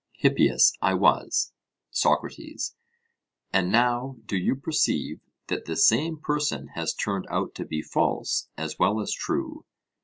HIPPIAS: I was. SOCRATES: And now do you perceive that the same person has turned out to be false as well as true?